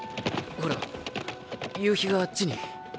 ほら夕日があっちに。